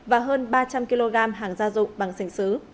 và hơn ba trăm linh kg hàng gia dụng bằng sành xứ